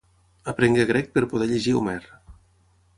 Aprengué grec per poder llegir Homer.